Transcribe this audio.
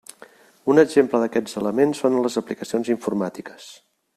Un exemple d'aquests elements són les aplicacions informàtiques.